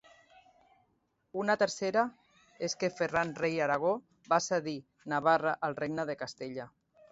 Una tercera és que Ferran, Rei d'Aragó, va cedir Navarra al Regne de Castella.